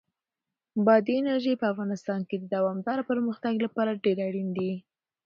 بادي انرژي د افغانستان د دوامداره پرمختګ لپاره ډېر اړین دي.